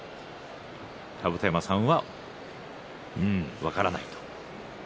甲山さんは分からないと。